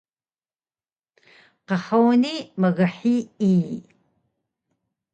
Qhuni mghiyi